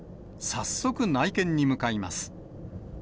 早速、内見に向かいます。